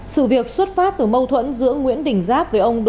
sự việc xuất phát từ mâu thuẫn giữa nguyễn đình giáp với ông đỗ